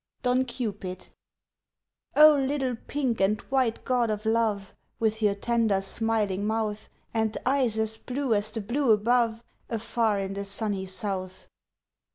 DON CUPID Oh! little pink and white god of love, With your tender smiling mouth, And eyes as blue as the blue above, Afar in the sunny south.